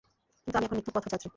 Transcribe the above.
কিন্তু আমি এখন মৃত্যুপথযাত্রী।